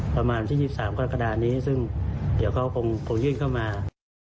ประมาณที่๒๓กรกฎานี้ซึ่งเดี๋ยวเขาคงยื่นเข้ามา